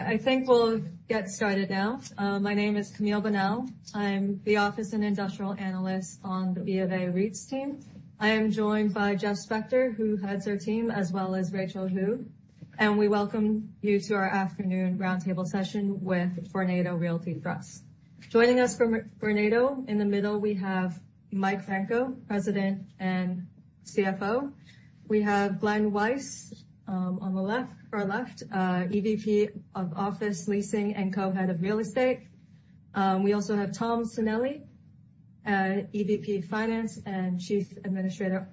I think we'll get started now. My name is Camille Bonnel. I'm the office and industrial analyst on the BofA REITs team. I am joined by Jeff Spector, who heads our team, as well as Rachel Hu. We welcome you to our afternoon roundtable session with Vornado Realty Trust. Joining us from Vornado, in the middle, we have Michael Franco, President and CFO. We have Glenn Weiss on the left, EVP of Office Leasing and Co-Head of Real Estate. We also have Thomas Sanelli, EVP, Finance and Chief Administrative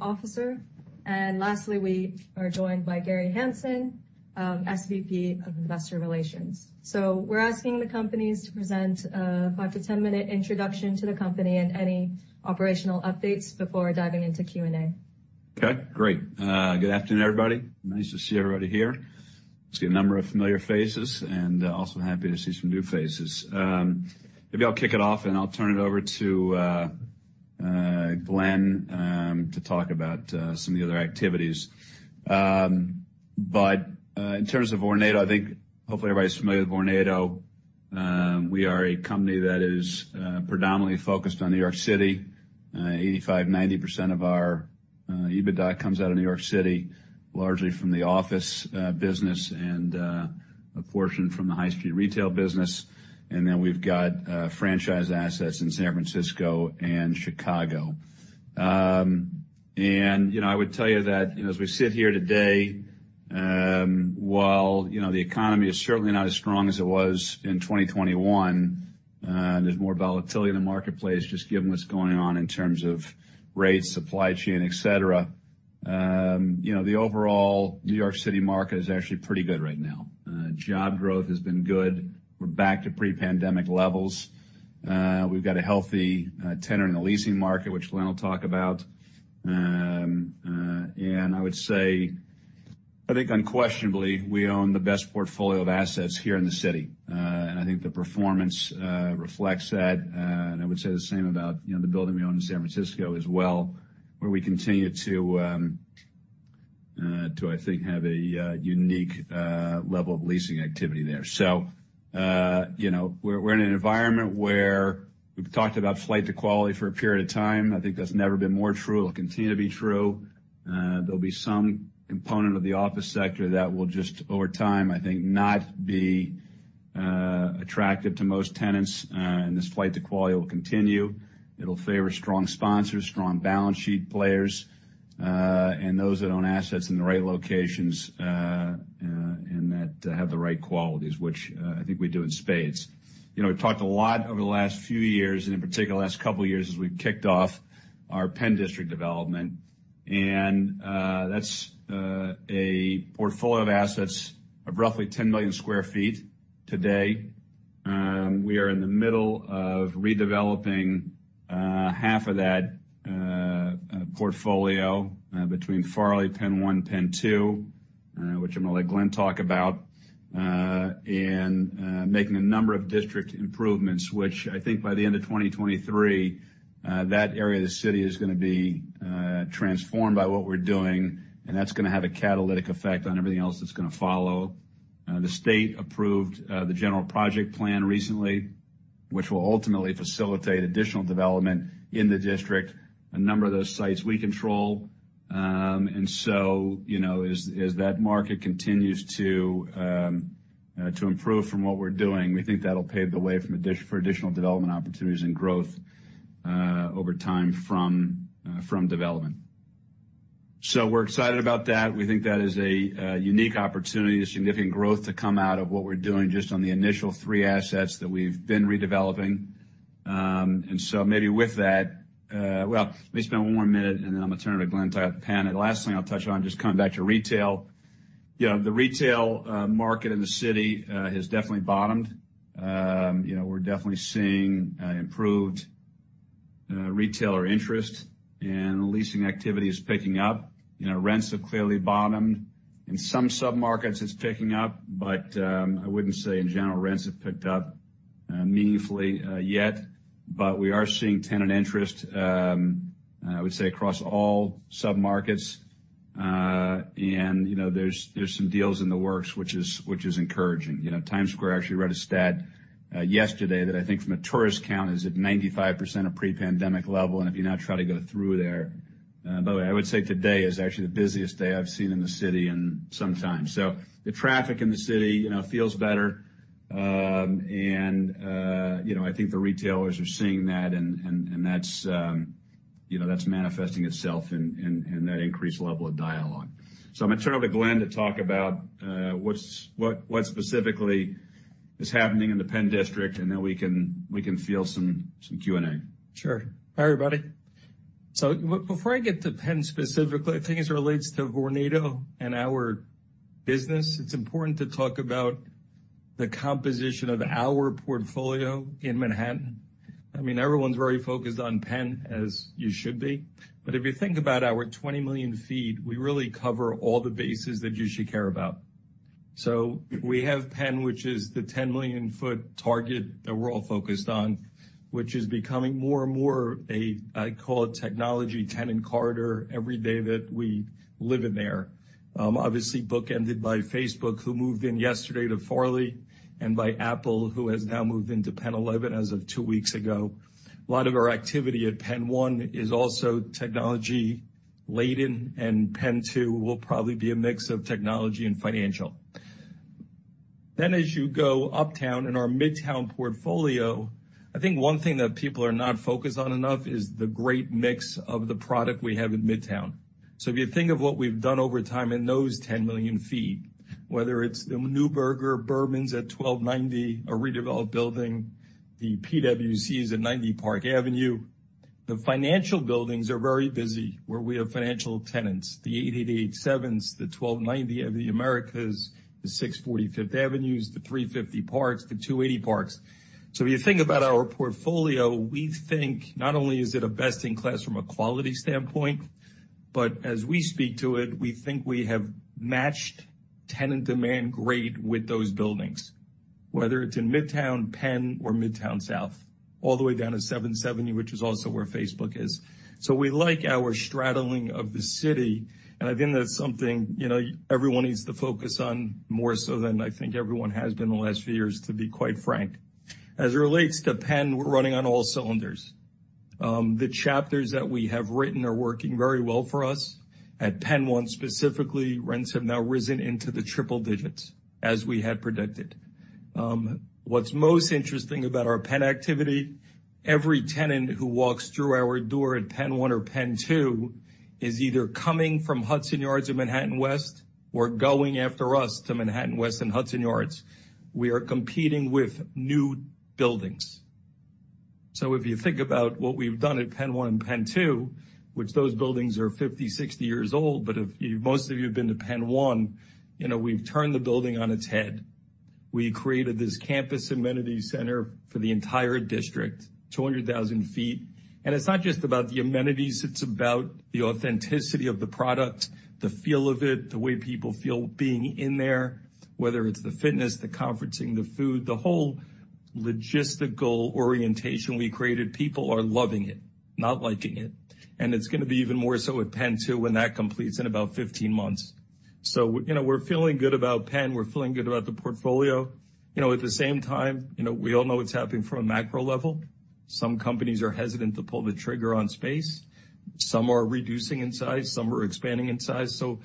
Officer. Lastly, we are joined by Gary Hansen, SVP of Investor Relations. We're asking the companies to present a 5 minute-10 minute introduction to the company and any operational updates before diving into Q&A. Okay, great. Good afternoon, everybody. Nice to see everybody here. I see a number of familiar faces and also happy to see some new faces. Maybe I'll kick it off, and I'll turn it over to Glenn to talk about some of the other activities. But in terms of Vornado, I think hopefully everybody's familiar with Vornado. We are a company that is predominantly focused on New York City. 85%-90% of our EBITDA comes out of New York City, largely from the office business and a portion from the high street retail business. We've got franchise assets in San Francisco and Chicago. You know, I would tell you that, you know, as we sit here today, while, you know, the economy is certainly not as strong as it was in 2021, and there's more volatility in the marketplace, just given what's going on in terms of rates, supply chain, et cetera. You know, the overall New York City market is actually pretty good right now. Job growth has been good. We're back to pre-pandemic levels. We've got a healthy tenor in the leasing market, which Glenn will talk about. I would say I think unquestionably, we own the best portfolio of assets here in the city. I think the performance reflects that. I would say the same about, you know, the building we own in San Francisco as well, where we continue to, I think, have a unique level of leasing activity there. You know, we're in an environment where we've talked about flight to quality for a period of time. I think that's never been more true. It'll continue to be true. There'll be some component of the office sector that will just, over time, I think, not be attractive to most tenants. This flight to quality will continue. It'll favor strong sponsors, strong balance sheet players, and those that own assets in the right locations, and that have the right qualities, which, I think we do in spades. You know, we've talked a lot over the last few years, and in particular, the last couple of years as we've kicked off our Penn District development. That's a portfolio of assets of roughly 10 million sq ft today. We are in the middle of redeveloping half of that portfolio between Farley, Penn 1, Penn 2, which I'm gonna let Glenn talk about, and making a number of district improvements, which I think by the end of 2023, that area of the city is gonna be transformed by what we're doing, and that's gonna have a catalytic effect on everything else that's gonna follow. The state approved the general project plan recently, which will ultimately facilitate additional development in the district. A number of those sites we control. You know, as that market continues to improve from what we're doing, we think that'll pave the way for additional development opportunities and growth over time from development. We're excited about that. We think that is a unique opportunity, a significant growth to come out of what we're doing just on the initial three assets that we've been redeveloping. Maybe with that, well, let me spend one more minute, and then I'm gonna turn it to Glenn to expand. The last thing I'll touch on, just coming back to retail. You know, the retail market in the city has definitely bottomed. You know, we're definitely seeing improved retailer interest and leasing activity is picking up. You know, rents have clearly bottomed. In some submarkets it's picking up, but I wouldn't say in general, rents have picked up meaningfully yet. We are seeing tenant interest, I would say across all submarkets. You know, there's some deals in the works, which is encouraging. You know, Times Square, I actually read a stat yesterday that I think from a tourist count is at 95% of pre-pandemic level. If you now try to go through there. By the way, I would say today is actually the busiest day I've seen in the city in some time. The traffic in the city, you know, feels better. You know, I think the retailers are seeing that, and that's manifesting itself in that increased level of dialogue. I'm gonna turn it over to Glenn to talk about what specifically is happening in the Penn District, and then we can field some Q&A. Sure. Hi, everybody. Before I get to Penn specifically, I think as it relates to Vornado and our business, it's important to talk about the composition of our portfolio in Manhattan. I mean, everyone's very focused on Penn, as you should be. If you think about our 20 million sq ft, we really cover all the bases that you should care about. We have Penn, which is the 10 million sq ft target that we're all focused on, which is becoming more and more a, I call it technology tenant corridor every day that we live in there. Obviously bookended by Facebook, who moved in yesterday to Farley, and by Apple, who has now moved into Penn 11 as of two weeks ago. A lot of our activity at Penn 1 is also technology laden, and Penn 2 will probably be a mix of technology and financial. As you go uptown in our Midtown portfolio, I think one thing that people are not focused on enough is the great mix of the product we have in Midtown. If you think of what we've done over time in those 10 million sq ft, whether it's the Neuberger Berman's at 1290, a redeveloped building, the PwC's at 90 Park Avenue. The financial buildings are very busy where we have financial tenants, the 888 Seventh Avenue, the 1290 Avenue of the Americas, the 640 Fifth Avenue, the 350 Park Avenue, the 280 Park Avenue. If you think about our portfolio, we think not only is it a best in class from a quality standpoint, but as we speak to it, we think we have matched tenant demand grade with those buildings, whether it's in Midtown Penn or Midtown South, all the way down to 770, which is also where Facebook is. We like our straddling of the city, and I think that's something, you know, everyone needs to focus on more so than I think everyone has been the last few years, to be quite frank. As it relates to Penn, we're running on all cylinders. The chapters that we have written are working very well for us. At Penn 1, specifically, rents have now risen into the triple digits as we had predicted. What's most interesting about our Penn activity. Every tenant who walks through our door at Penn 1 or Penn 2 is either coming from Hudson Yards in Manhattan West or going after us to Manhattan West and Hudson Yards. We are competing with new buildings. If you think about what we've done at Penn 1 and Penn 2, which those buildings are 50, 60 years old. Most of you have been to Penn 1, you know, we've turned the building on its head. We created this campus amenities center for the entire district, 200,000 sq ft. It's not just about the amenities, it's about the authenticity of the product, the feel of it, the way people feel being in there, whether it's the fitness, the conferencing, the food, the whole logistical orientation we created. People are loving it, not liking it. It's going to be even more so at Penn 2 when that completes in about 15 months. You know, we're feeling good about Penn. We're feeling good about the portfolio. You know, at the same time, you know, we all know what's happening from a macro level. Some companies are hesitant to pull the trigger on space. Some are reducing in size, some are expanding in size. You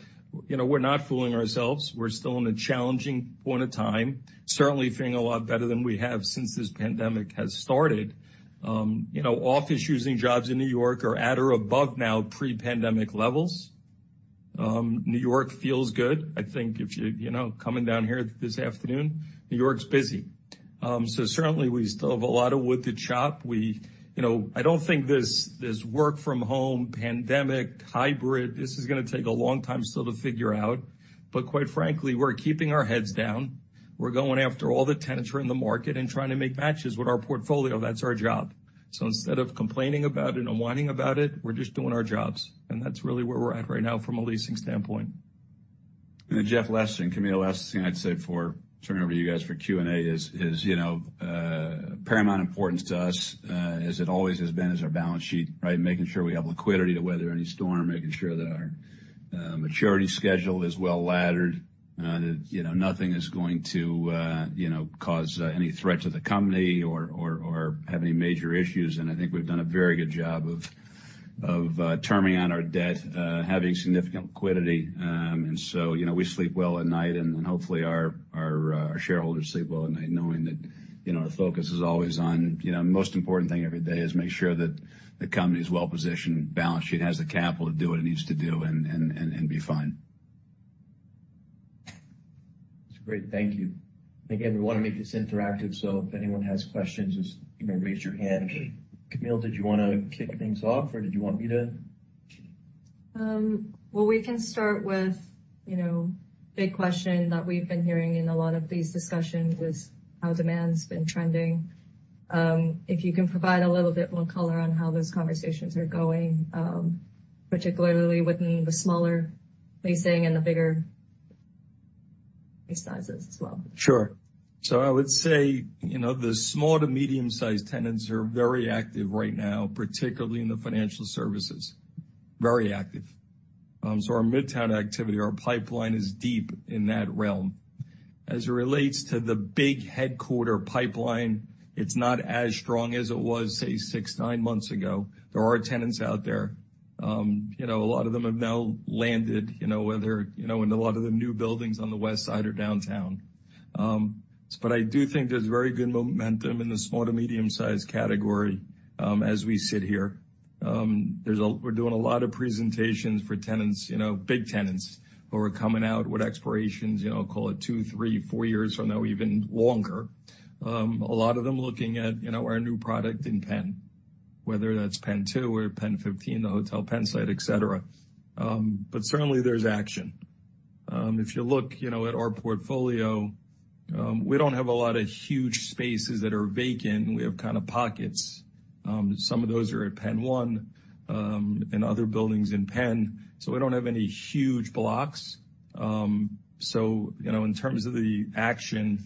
know, we're not fooling ourselves. We're still in a challenging point of time, certainly feeling a lot better than we have since this pandemic has started. You know, office using jobs in New York are at or above now pre-pandemic levels. New York feels good. I think if you know, coming down here this afternoon, New York's busy. Certainly we still have a lot of wood to chop. We, you know, I don't think this work from home pandemic hybrid is gonna take a long time still to figure out. Quite frankly, we're keeping our heads down. We're going after all the tenants who are in the market and trying to make matches with our portfolio. That's our job. Instead of complaining about it and whining about it, we're just doing our jobs. That's really where we're at right now from a leasing standpoint. Jeff, last thing, Camille, the last thing I'd say for turning over to you guys for Q&A is, you know, paramount importance to us, as it always has been, is our balance sheet, right? Making sure we have liquidity to weather any storm, making sure that our maturity schedule is well laddered, that you know, nothing is going to you know, cause any threat to the company or have any major issues. I think we've done a very good job of terming out our debt, having significant liquidity. You know, we sleep well at night, and be fine. That's great. Thank you. Again, we want to make this interactive, so if anyone has questions, just, you may raise your hand. Camille, did you wanna kick things off, or did you want me to? Well, we can start with, you know, big question that we've been hearing in a lot of these discussions with how demand's been trending. If you can provide a little bit more color on how those conversations are going, particularly within the smaller leasing and the bigger lease sizes as well. Sure. I would say, you know, the small to medium-sized tenants are very active right now, particularly in the financial services. Very active. Our Midtown activity, our pipeline is deep in that realm. As it relates to the big headquarters pipeline, it's not as strong as it was, say, six, nine months ago. There are tenants out there. You know, a lot of them have now landed, you know, whether, you know, in a lot of the new buildings on the West Side or downtown. But I do think there's very good momentum in the small to medium-sized category, as we sit here. We're doing a lot of presentations for tenants, you know, big tenants who are coming out with expirations, you know, call it two, three, four years from now, even longer. A lot of them looking at, you know, our new product in Penn, whether that's Penn 2 or Penn 15, the Hotel Penn site, etc. Certainly, there's action. If you look, you know, at our portfolio. We don't have a lot of huge spaces that are vacant. We have kind of pockets. Some of those are at Penn 1, and other buildings in Penn. We don't have any huge blocks. You know, in terms of the action,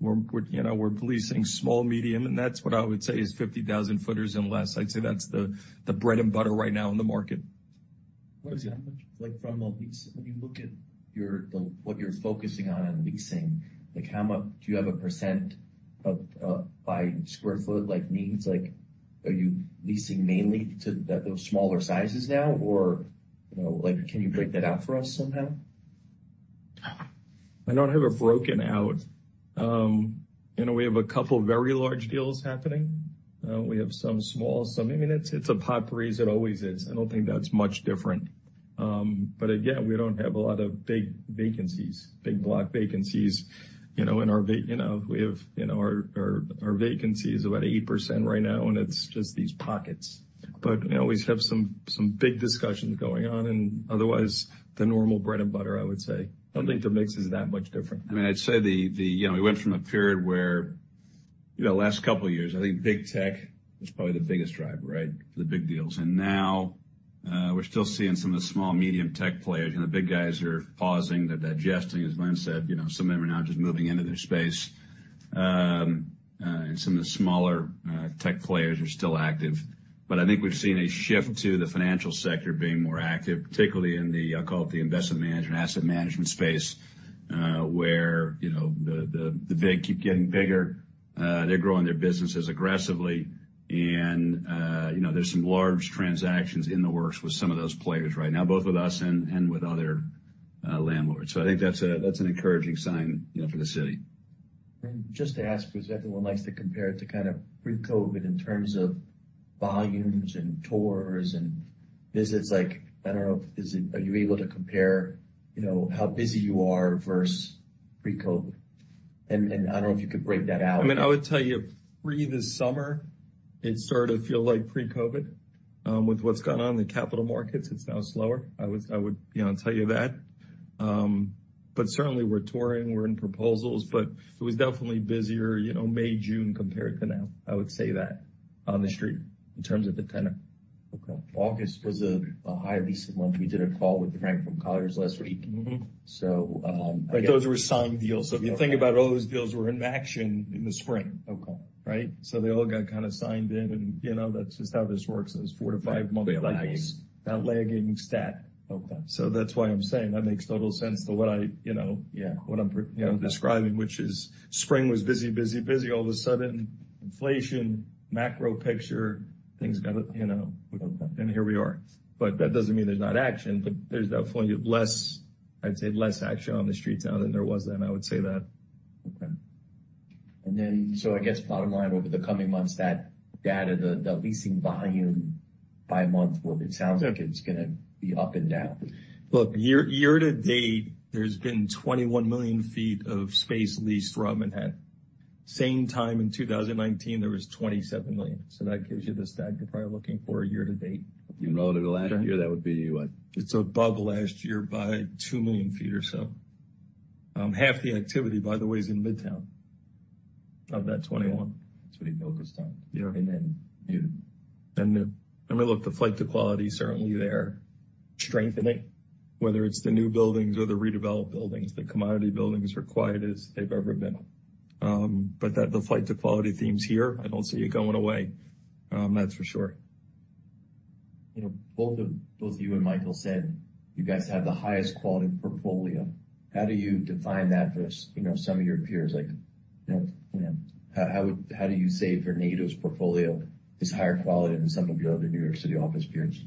we're, you know, we're policing small, medium, and that's what I would say is 50,000-footers and less. I'd say that's the bread and butter right now in the market. What is that much like from a lease? When you look at your what you're focusing on leasing, like how much do you have a percent of by square foot like means like, are you leasing mainly to those smaller sizes now or, you know, like, can you break that out for us somehow? I don't have it broken out. You know, we have a couple of very large deals happening. I mean, it's a potpourri, as it always is. I don't think that's much different. Again, we don't have a lot of big vacancies, big block vacancies. You know, we have our vacancy is about 8% right now, and it's just these pockets. We always have some big discussions going on and otherwise the normal bread and butter, I would say. I don't think the mix is that much different. I mean, I'd say, you know, we went from a period where, you know, last couple of years, I think big tech was probably the biggest driver, right? The big deals. Now, we're still seeing some of the small medium tech players. You know, the big guys are pausing, they're digesting, as Glenn said, you know, some of them are now just moving into their space. Some of the smaller tech players are still active. I think we've seen a shift to the financial sector being more active, particularly in the, I call it the investment management, asset management space, where, you know, the big keep getting bigger, they're growing their businesses aggressively. you know, there's some large transactions in the works with some of those players right now, both with us and with other landlords. I think that's an encouraging sign, you know, for the city. Just to ask, because everyone likes to compare it to kind of pre-COVID in terms of volumes and tours and visits like, I don't know, is it? Are you able to compare, you know, how busy you are versus pre-COVID? I don't know if you could break that out. I mean, I would tell you pre this summer, it started to feel like pre-COVID. With what's gone on in the capital markets, it's now slower. I would, you know, tell you that. Certainly we're touring, we're in proposals, but it was definitely busier, you know, May, June compared to now. I would say that on the street in terms of the tenant. Okay. August was a high leasing month. We did a call with Frank from Colliers last week. Mm-hmm. So, um- Those were signed deals. If you think about it, all those deals were in action in the spring. Okay. Right? They all got kinda signed then, and, you know, that's just how this works. Those four to five month lag. Lagging. That lagging stat. Okay. That's why I'm saying that makes total sense to what I, you know. Yeah. What I'm, you know, describing, which is spring was busy, busy. All of a sudden, inflation, macro picture, things got, you know. Okay. Here we are. That doesn't mean there's not action, but there's definitely less, I'd say, less action on the streets now than there was then. I would say that. Okay. I guess bottom line over the coming months, that data, the leasing volume by month, well, it sounds like it's gonna be up and down. Look, year to date, there's been 21 million sq ft of space leased from Manhattan. Same time in 2019, there was 27 million sq ft. That gives you the stat you're probably looking for year to date. Relative to last year, that would be what? It's above last year by 2 million feet or so. Half the activity, by the way, is in Midtown. Of that 21. That's what he focused on. Yeah. new. I mean, look, the flight to quality is certainly there strengthening, whether it's the new buildings or the redeveloped buildings. The commodity buildings are quiet as they've ever been. That, the flight to quality theme's here. I don't see it going away, that's for sure. You know, both you and Michael said you guys have the highest quality portfolio. How do you define that versus, you know, some of your peers? Like, you know, how do you say Vornado's portfolio is higher quality than some of your other New York City office peers?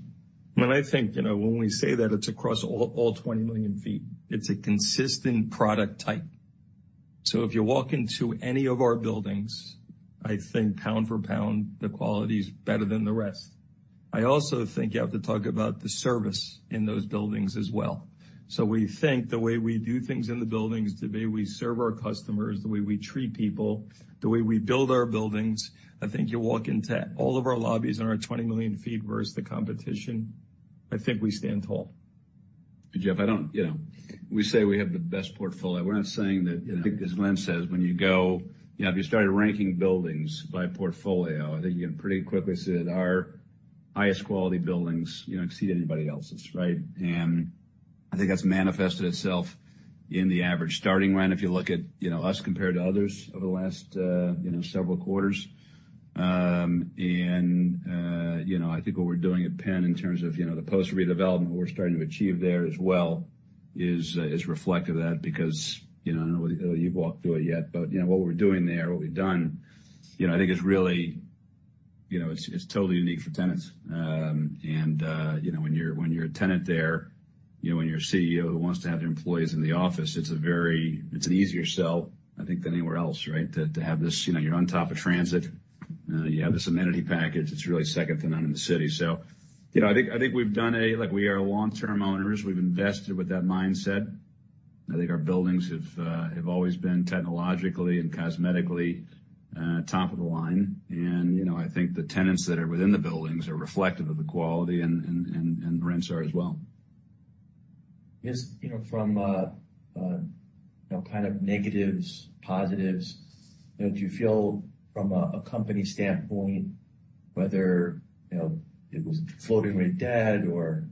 I mean, I think, you know, when we say that it's across all 20 million sq ft, it's a consistent product type. If you walk into any of our buildings, I think pound for pound, the quality is better than the rest. I also think you have to talk about the service in those buildings as well. We think the way we do things in the buildings, the way we serve our customers, the way we treat people, the way we build our buildings, I think you walk into all of our lobbies in our 20 million sq ft versus the competition, I think we stand tall. Jeff, I don't, you know, we say we have the best portfolio. We're not saying that. I think- As Glenn says, when you go, you know, if you started ranking buildings by portfolio, I think you can pretty quickly say that our highest quality buildings, you know, exceed anybody else's, right? I think that's manifested itself in the average starting rent if you look at, you know, us compared to others over the last, you know, several quarters. I think what we're doing at Penn in terms of, you know, the post redevelopment, what we're starting to achieve there as well is reflective of that because, you know, I don't know whether you've walked through it yet, but, you know, what we're doing there, what we've done, you know, I think is really, you know, it's totally unique for tenants. You know, when you're a tenant there, you know, when you're a CEO who wants to have their employees in the office, it's an easier sell, I think, than anywhere else, right? To have this, you know, you're on top of transit, you have this amenity package that's really second to none in the city. You know, I think we've done. Like, we are long-term owners. We've invested with that mindset. I think our buildings have always been technologically and cosmetically top of the line. You know, I think the tenants that are within the buildings are reflective of the quality and rents are as well. Just, you know, from, you know, kind of negatives, positives, you know, do you feel from a company standpoint whether, you know, it was floating rate debt or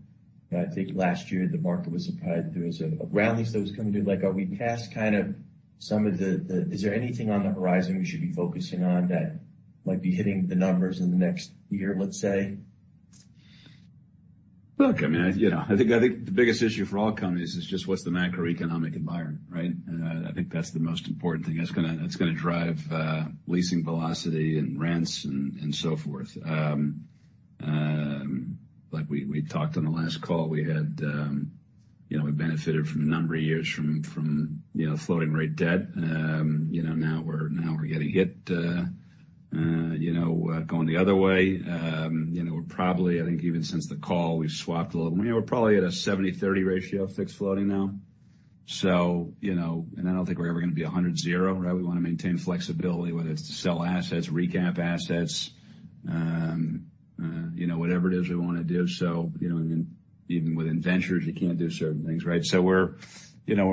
I think last year the market was surprised there was a rally that was coming due. Like, are we past kind of some of the? Is there anything on the horizon we should be focusing on that might be hitting the numbers in the next year, let's say? Look, I mean, you know, I think the biggest issue for all companies is just what's the macroeconomic environment, right? I think that's the most important thing. That's gonna drive leasing velocity and rents and so forth. Like we talked on the last call, we had, you know, we benefited from a number of years from, you know, floating rate debt. You know, now we're getting hit, you know, going the other way. You know, we're probably, I think even since the call, we've swapped a little. We're probably at a 70/30 ratio of fixed floating now. You know, and I don't think we're ever gonna be 100/0, right? We wanna maintain flexibility, whether it's to sell assets, recap assets, you know, whatever it is we wanna do. You know, I mean, even within ventures, you can't do certain things, right? We're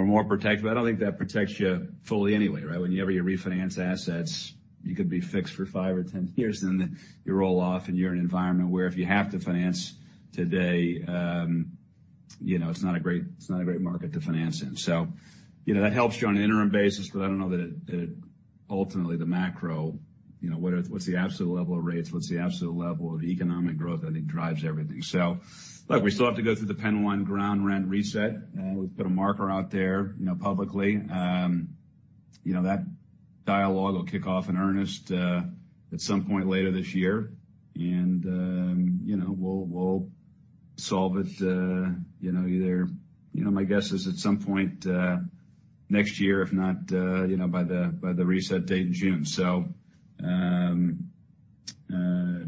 more protected, but I don't think that protects you fully anyway, right? Whenever you refinance assets, you could be fixed for five or 10 years, then you roll off and you're in an environment where if you have to finance today, it's not a great market to finance in. That helps you on an interim basis, but I don't know that it. Ultimately, the macro, what's the absolute level of rates, what's the absolute level of economic growth, I think drives everything. Look, we still have to go through the Penn 1 ground rent reset. We've put a marker out there, you know, publicly. You know, that dialogue will kick off in earnest at some point later this year. You know, we'll solve it, you know, my guess is at some point next year, if not, you know, by the reset date in June.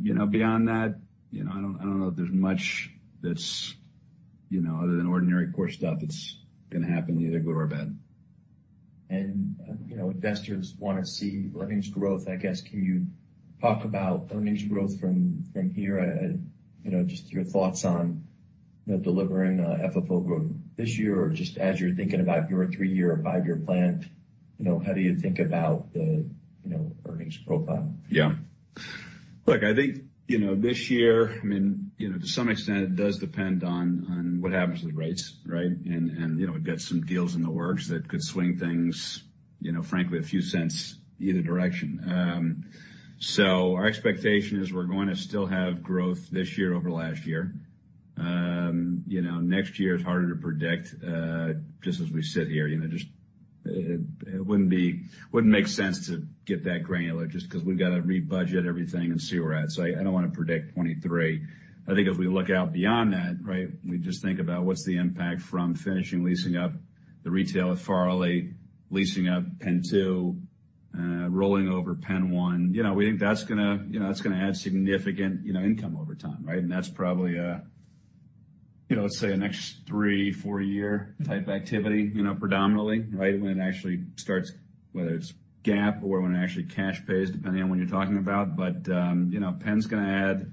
You know, beyond that, you know, I don't know that there's much that's, you know, other than ordinary core stuff that's gonna happen, either good or bad. You know, investors wanna see earnings growth. I guess, can you talk about earnings growth from here? You know, just your thoughts on, you know, delivering FFO growth this year. Or just as you're thinking about your three-year or five-year plan, you know, how do you think about the, you know, earnings profile? Yeah. Look, I think, you know, this year, I mean, you know, to some extent it does depend on what happens with rates, right? And you know, we've got some deals in the works that could swing things, you know, frankly a few cents either direction. So our expectation is we're going to still have growth this year over last year. You know, next year is harder to predict, just as we sit here. You know, just it wouldn't make sense to get that granular just 'cause we've gotta rebudget everything and see where we're at. I don't wanna predict 2023. I think if we look out beyond that, right, we just think about what's the impact from finishing leasing up the retail at Farley, leasing up Penn 2, rolling over Penn 1. You know, we think that's gonna add significant, you know, income over time, right? That's probably a, you know, let's say a next three, four year type activity, you know, predominantly, right? When it actually starts, whether it's GAAP or when it actually cash pays, depending on when you're talking about. You know, Penn's gonna add,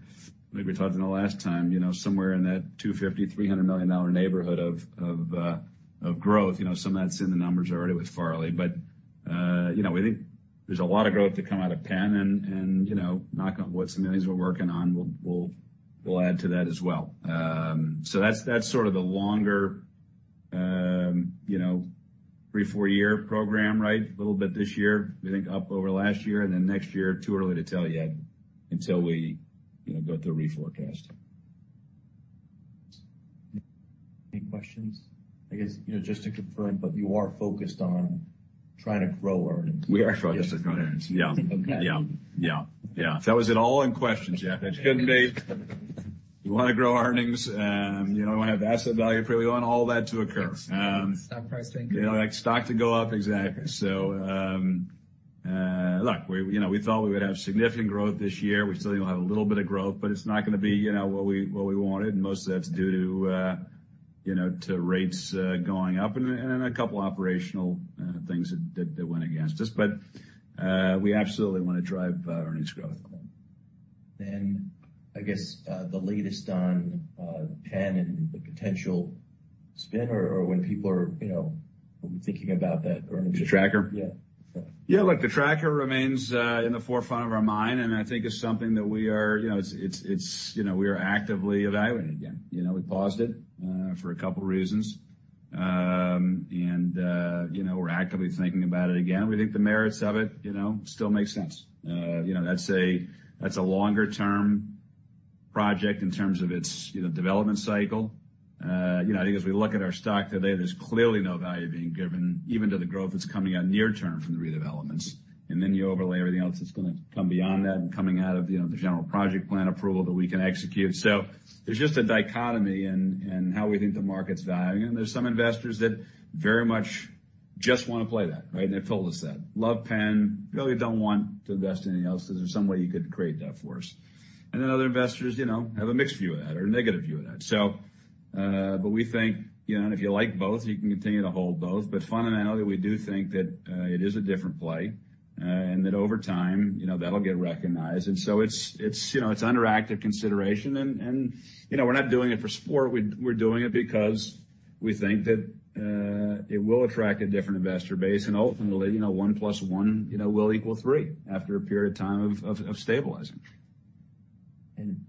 like we talked about the last time, you know, somewhere in that $250 million-$300 million neighborhood of growth. You know, some of that's in the numbers already with Farley. You know, we think there's a lot of growth to come out of Penn and, you know, knock on wood, some things we're working on will add to that as well. That's sort of the longer, you know, three, four year program, right? A little bit this year, we think up over last year, and then next year, too early to tell yet until we, you know, go through a reforecast. Any questions? I guess, you know, just to confirm, but you are focused on trying to grow earnings. We are focused on growing earnings. Yeah. Okay. Yeah. If that was it, all in questions, yeah. It's good day. We wanna grow earnings. You know, we wanna have asset value fairly. We want all that to occur. Stock pricing. You know, like stock to go up. Exactly. Look, we, you know, we thought we would have significant growth this year. We still think we'll have a little bit of growth, but it's not gonna be, you know, what we wanted. Most of that's due to, you know, to rates going up and a couple operational things that went against us. We absolutely wanna drive earnings growth. I guess the latest on Penn and the potential spin or when people are, you know, thinking about that earnings The tracker? Yeah. Yeah, look, the tracking stock remains in the forefront of our mind, and I think it's something that we are, you know, it's you know, we are actively evaluating again. You know, we paused it for a couple reasons. You know, we're actively thinking about it again. We think the merits of it, you know, still make sense. You know, that's a longer term project in terms of its, you know, development cycle. You know, I think as we look at our stock today, there's clearly no value being given even to the growth that's coming on near term from the redevelopments. Then you overlay everything else that's gonna come beyond that and coming out of, you know, the general project plan approval that we can execute. There's just a dichotomy in how we think the market's valuing. There's some investors that very much just wanna play that, right? They've told us that. Love Penn, really don't want to invest in anything else. Is there some way you could create that for us? Then other investors, you know, have a mixed view of that or a negative view of that. We think, you know, and if you like both, you can continue to hold both. Fundamentally, we do think that it is a different play, and that over time, you know, that'll get recognized. It's, you know, it's under active consideration and, you know, we're not doing it for sport. We're doing it because we think that it will attract a different investor base, and ultimately, you know, one plus one, you know, will equal three after a period of time of stabilizing.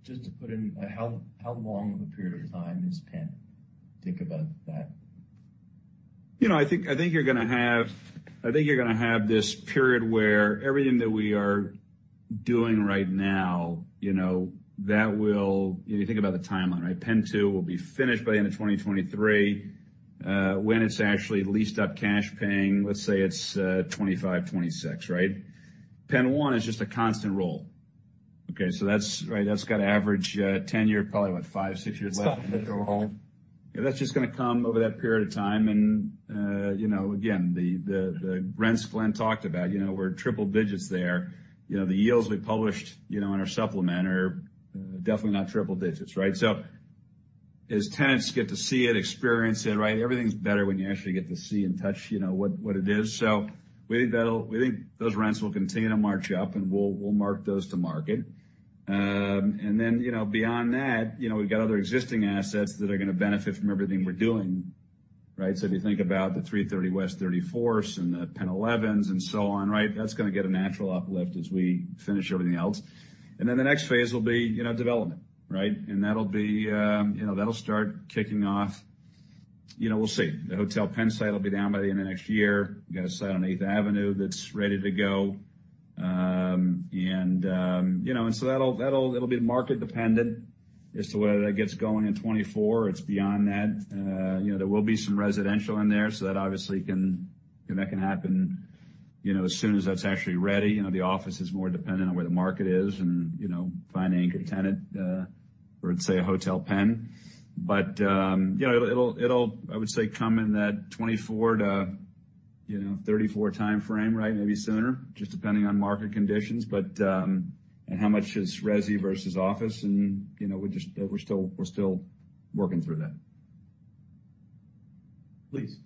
Just to put in, how long of a period of time is Penn? Think about that. You know, I think you're gonna have this period where everything that we are doing right now, you know. You know, you think about the timeline, right. Penn 2 will be finished by the end of 2023. When it's actually leased up cash paying, let's say it's 2025, 2026, right? Penn 1 is just a constant roll. That's got average 10-year, probably five, six years left. That's just gonna come over that period of time. You know, again, the rents Glenn talked about, you know, we're triple digits there. You know, the yields we published, you know, in our supplement are definitely not triple digits, right? As tenants get to see it, experience it, right, everything's better when you actually get to see and touch, you know, what it is. We think those rents will continue to march up, and we'll mark those to market. Beyond that, you know, we've got other existing assets that are gonna benefit from everything we're doing, right? If you think about the 330 West 34th and the Penn 11s and so on, right? That's gonna get a natural uplift as we finish everything else. The next phase will be, you know, development, right? That'll be, you know, that'll start kicking off, you know, we'll see. The Hotel Penn site will be down by the end of next year. We've got a site on Eighth Avenue that's ready to go. It'll be market dependent as to whether that gets going in 2024. It's beyond that. There will be some residential in there, so that obviously can, you know, that can happen, you know, as soon as that's actually ready. You know, the office is more dependent on where the market is and, you know, finding a good tenant, or say a Hotel Penn. It'll, I would say, come in that 2024-2034 timeframe, right? Maybe sooner, just depending on market conditions. How much is resi versus office and, you know, we're still working through that. Thank you.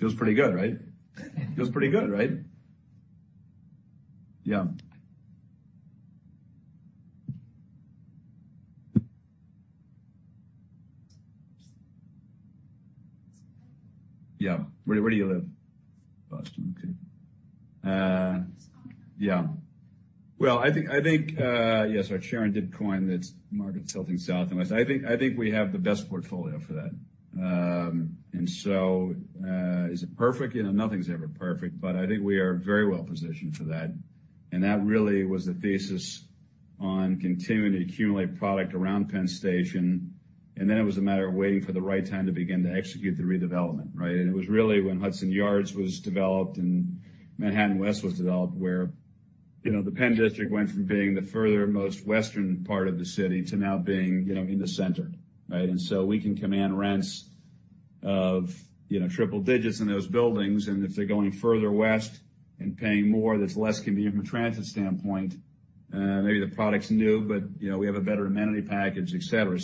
Feels pretty good, right? Yeah. Where do you live? Boston. Okay. Well, I think yes, our chairman did coin that market's tilting south. I think we have the best portfolio for that. Is it perfect? You know, nothing's ever perfect, but I think we are very well positioned for that. That really was the thesis on continuing to accumulate product around Penn Station. Then it was a matter of waiting for the right time to begin to execute the redevelopment, right? It was really when Hudson Yards was developed and Manhattan West was developed, where, you know, the Penn District went from being the furthermost western part of the city to now being, you know, in the center, right? We can command rents of, you know, triple digits in those buildings, and if they're going further west and paying more, that's less convenient from a transit standpoint. Maybe the product's new, but, you know, we have a better amenity package, et cetera.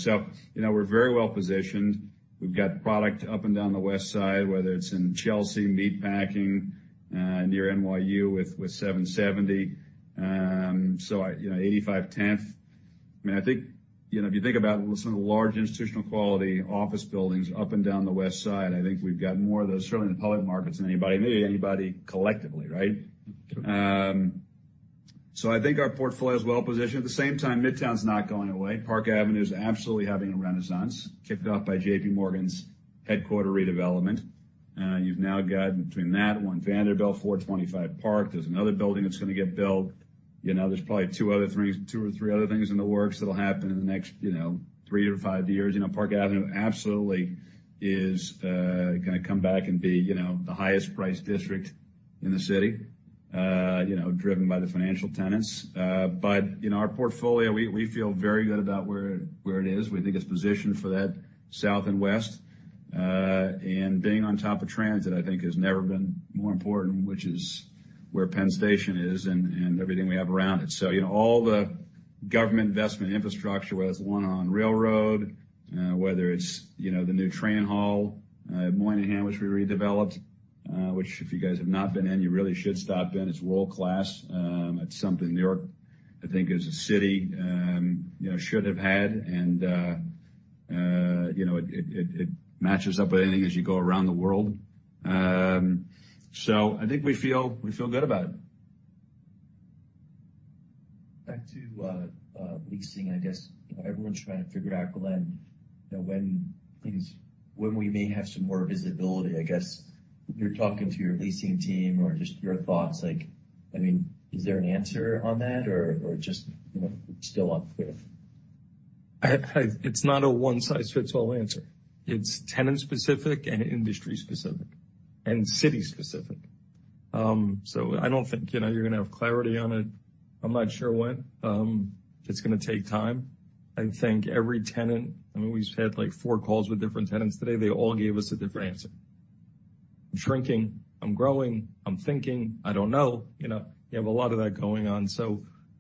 You know, we're very well positioned. We've got product up and down the West Side, whether it's in Chelsea Meatpacking, near NYU with 770. You know, 85 Tenth. I mean, I think, you know, if you think about some of the large institutional quality office buildings up and down the West Side, I think we've got more of those, certainly in the public markets, than anybody, maybe anybody collectively, right? You know, I think our portfolio is well positioned. At the same time, Midtown's not going away. Park Avenue is absolutely having a renaissance, kicked off by JPMorgan's headquarters redevelopment. You've now got between that One Vanderbilt, 425 Park. There's another building that's gonna get built. You know, there's probably two or three other things in the works that'll happen in the next, you know, three to five years. You know, Park Avenue absolutely is gonna come back and be, you know, the highest priced district in the city, you know, driven by the financial tenants. But in our portfolio, we feel very good about where it is. We think it's positioned for that south and west. Being on top of transit, I think, has never been more important, which is where Penn Station is and everything we have around it. You know, all the government investment infrastructure, whether it's on the railroad, whether it's, you know, the new train hall at Moynihan, which we redeveloped, which if you guys have not been in, you really should stop in. It's world-class. It's something New York, I think, as a city, you know, should have had. You know, it matches up with anything as you go around the world. I think we feel good about it. Back to leasing, I guess everyone's trying to figure out, Glenn, you know, when we may have some more visibility, I guess, you're talking to your leasing team or just your thoughts like, I mean, is there an answer on that or just, you know, still unclear? It's not a one-size-fits-all answer. It's tenant-specific and industry-specific and city-specific. I don't think, you know, you're gonna have clarity on it. I'm not sure when. It's gonna take time. I think every tenant, I mean, we've had, like, 4 calls with different tenants today. They all gave us a different answer. I'm shrinking, I'm growing, I'm thinking, I don't know, you know. You have a lot of that going on.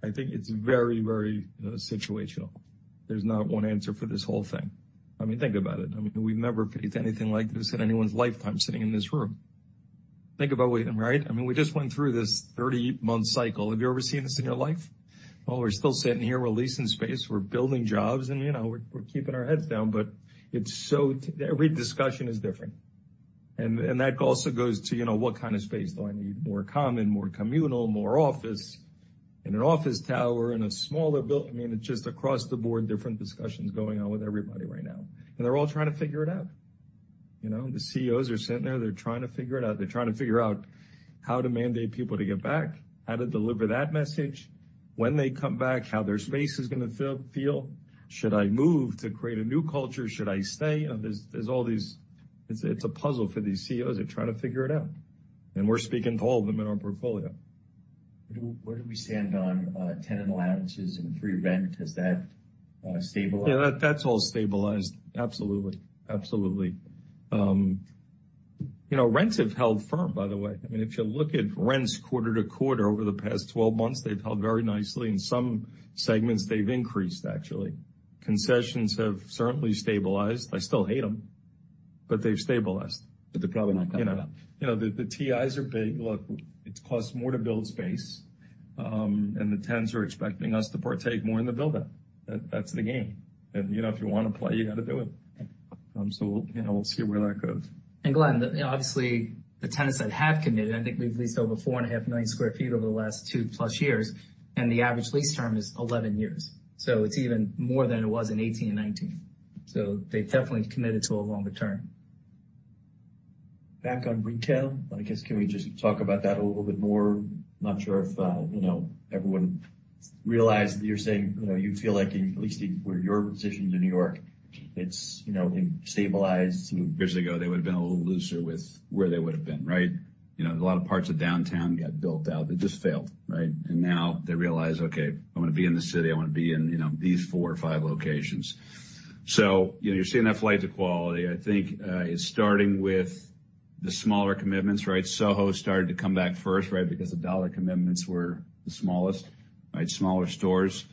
I think it's very, very situational. There's not one answer for this whole thing. I mean, think about it. I mean, we've never faced anything like this in anyone's lifetime sitting in this room. Think about waiting, right? I mean, we just went through this 30-month cycle. Have you ever seen this in your life? Well, we're still sitting here, we're leasing space, we're building jobs, and, you know, we're keeping our heads down, but it's so. Every discussion is different. That also goes to, you know, what kind of space do I need? More common, more communal, more office, in an office tower, I mean, it's just across the board, different discussions going on with everybody right now, and they're all trying to figure it out. You know, the CEOs are sitting there, they're trying to figure it out. They're trying to figure out how to mandate people to get back, how to deliver that message, when they come back, how their space is gonna feel. Should I move to create a new culture? Should I stay? You know, there's all these. It's a puzzle for these CEOs. They're trying to figure it out, and we're speaking to all of them in our portfolio. Where do we stand on tenant allowances and free rent? Has that stabilized? Yeah, that's all stabilized. Absolutely. You know, rents have held firm, by the way. I mean, if you look at rents quarter to quarter over the past 12 months, they've held very nicely. In some segments, they've increased, actually. Concessions have certainly stabilized. I still hate them, but they've stabilized. They're probably not coming up. You know, the TIs are big. Look, it costs more to build space, and the tenants are expecting us to partake more in the buildup. That's the game. You know, if you want to play, you got to do it. You know, we'll see where that goes. Glenn, obviously, the tenants that have committed, I think we've leased over 4.5 million sq ft over the last 2+ years, and the average lease term is 11 years. It's even more than it was in 2018 and 2019. They've definitely committed to a longer term. Back on retail, I guess, can we just talk about that a little bit more? Not sure if, you know, everyone realized that you're saying, you know, you feel like at least where your position is in New York, it's, you know, stabilized. Years ago, they would've been a little looser with where they would've been, right? You know, a lot of parts of downtown got built out. They just failed, right? Now they realize, okay, I want to be in the city. I want to be in, you know, these four or five locations. You know, you're seeing that flight to quality, I think, is starting with the smaller commitments, right? Soho started to come back first, right? Because the dollar commitments were the smallest, right? Smaller stores.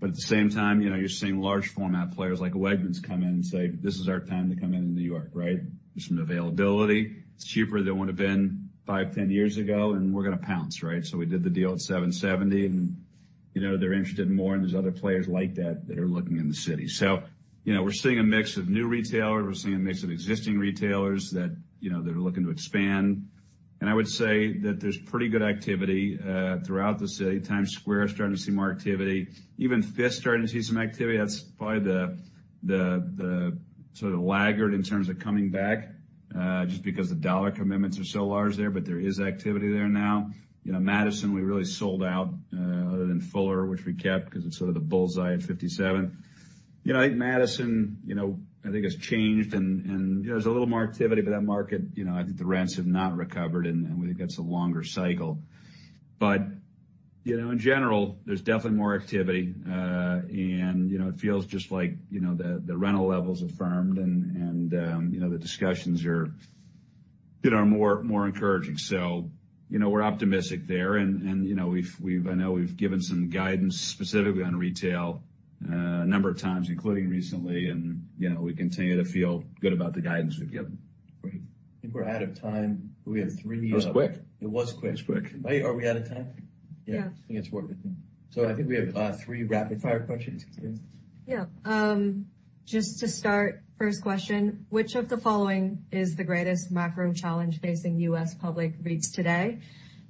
At the same time, you know, you're seeing large format players like a Wegmans come in and say, "This is our time to come in New York, right? There's some availability. It's cheaper than would have been five, 10 years ago, and we're gonna pounce, right?" We did the deal at 770, and, you know, they're interested more, and there's other players like that that are looking in the city. You know, we're seeing a mix of new retailers. We're seeing a mix of existing retailers that, you know, that are looking to expand. I would say that there's pretty good activity throughout the city. Times Square is starting to see more activity. Even Fifth starting to see some activity. That's probably the sort of laggard in terms of coming back, just because the dollar commitments are so large there, but there is activity there now. You know, Madison, we really sold out, other than Fuller, which we kept because it's sort of the bull's-eye at 57. You know, I think Madison, you know, I think has changed and there's a little more activity. That market, you know, I think the rents have not recovered, and we think that's a longer cycle. You know, in general, there's definitely more activity. And, you know, it feels just like, you know, the rental levels have firmed and you know, the discussions are, you know, are more encouraging. You know, we're optimistic there. You know, I know we've given some guidance specifically on retail a number of times, including recently. You know, we continue to feel good about the guidance we've given. Great. I think we're out of time. We have three. That was quick. It was quick. It was quick. Are we out of time? Yeah. I think it's working. I think we have three rapid fire questions. Yeah. Just to start, first question, which of the following is the greatest macro challenge facing US public REITs today?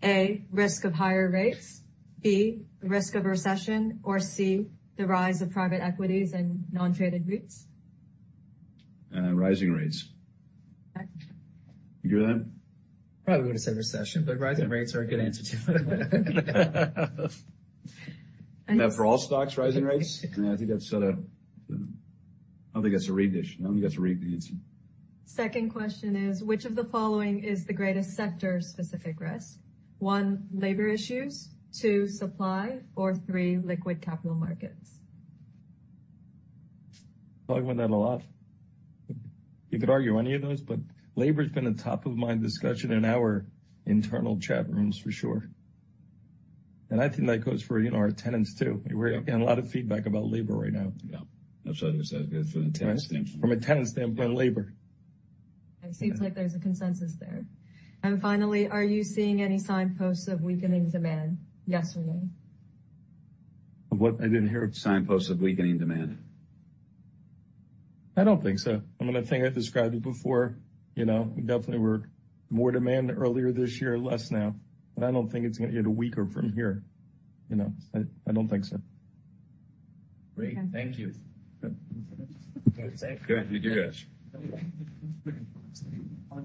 A, risk of higher rates, B, risk of recession, or C, the rise of private equities and non-traded REITs? Rising rates. Okay. You agree with that? Probably would've said recession, but rising rates are a good answer, too. Is that for all stocks, rising rates? I think that's set up. I don't think that's a REIT issue. I don't think that's a REIT needs. Second question is, which of the following is the greatest sector-specific risk? One, labor issues, two, supply, or three, liquid capital markets. Talk about that a lot. You could argue any of those, but labor has been a top of mind discussion in our internal chat rooms for sure. I think that goes for, you know, our tenants, too. We're getting a lot of feedback about labor right now. Yeah. I'm sorry. I was gonna say from a tenant standpoint. From a tenant standpoint, labor. It seems like there's a consensus there. Finally, are you seeing any signposts of weakening demand? Yes or no. Of what? I didn't hear signposts of weakening demand. I don't think so. I mean, I think I described it before, you know. There definitely was more demand earlier this year, less now, but I don't think it's gonna get weaker from here, you know. I don't think so. Great. Thank you. Good. Be safe. Good. You too, guys.